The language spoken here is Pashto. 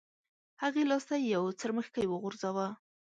هغې لاس ته یو څرمښکۍ وغورځاوه.